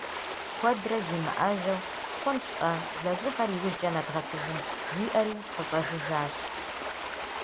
Куэдрэ зимыӏэжьэу «хъунщ-тӏэ, лэжьыгъэр иужькӏэ нэдгъэсыжынщ»,— жиӏэри къыщӏэжыжащ.